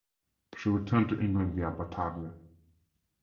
She returned to England via Batavia.